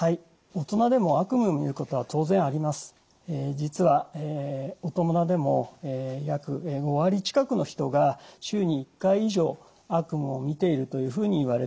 実は大人でも約５割近くの人が週に１回以上悪夢をみているというふうにいわれています。